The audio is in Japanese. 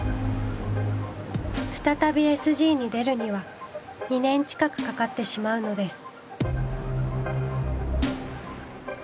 再びＳＧに出るには２年近くかかってしまうのです。